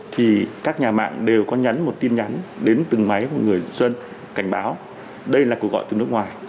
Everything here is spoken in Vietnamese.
thì các nhà mạng đều có nhắn một tin nhắn đến từng máy của người dân cảnh báo đây là cuộc gọi từ nước ngoài